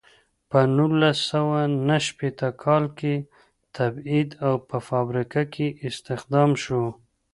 په نولس سوه نهه شپیته کال کې تبعید او په فابریکه کې استخدام شو.